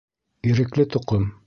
Ирекле тоҡом!